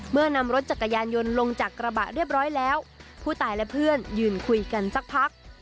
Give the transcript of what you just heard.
นำรถจักรยานยนต์ลงจากกระบะเรียบร้อยแล้วผู้ตายและเพื่อนยืนคุยกันสักพัก